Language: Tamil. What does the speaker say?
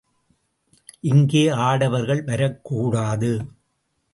இங்கே ஆடவர்கள் வரக்கூடாது.